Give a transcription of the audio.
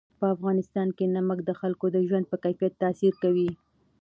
په افغانستان کې نمک د خلکو د ژوند په کیفیت تاثیر کوي.